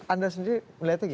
anda sendiri melihatnya gimana